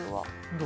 どう？